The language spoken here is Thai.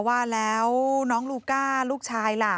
ว่าแล้วน้องลูก้าลูกชายล่ะ